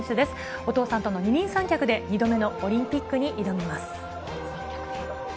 お父さんとの二人三脚で２度目のオリンピックに挑みます。